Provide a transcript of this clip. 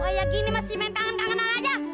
wah ya gini masih main kangen kangenan aja